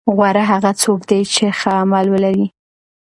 غوره هغه څوک دی چې ښه عمل ولري.